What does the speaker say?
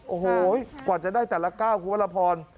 โอ้โหกว่าจะได้แต่ละก้าวคุณวรพร